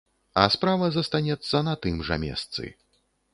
А справа застанецца на тым жа месцы.